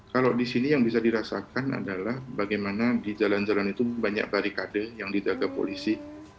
kalau di sini yang bisa dirasakan adalah bagaimana di jalan jalan itu banyak barikade yang didaga polisi